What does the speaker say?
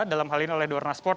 dalam hal ini oleh duwarnasport